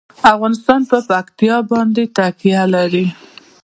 افغانستان په پکتیا باندې تکیه لري.